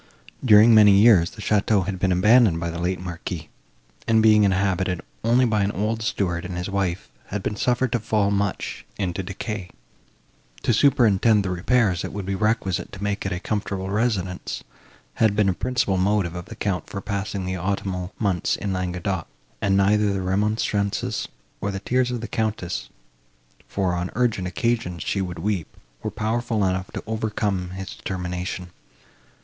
During many years, the château had been abandoned by the late Marquis, and, being inhabited only by an old steward and his wife, had been suffered to fall much into decay. To superintend the repairs, that would be requisite to make it a comfortable residence, had been a principal motive with the Count for passing the autumnal months in Languedoc; and neither the remonstrances, nor the tears of the Countess, for, on urgent occasions, she could weep, were powerful enough to overcome his determination.